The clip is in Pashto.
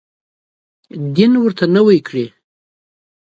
دین ورته نوی کړي.